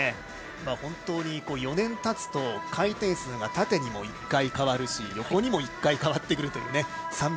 本当に４年たつと回転数が縦にも１回変わるし横にも１回変わってくるという。